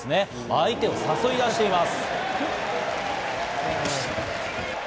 相手を誘い出しています。